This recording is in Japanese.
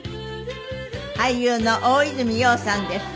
俳優の大泉洋さんです。